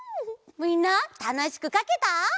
みんなたのしくかけた？